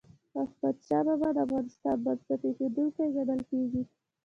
احمدشاه بابا د افغانستان بنسټ ايښودونکی ګڼل کېږي.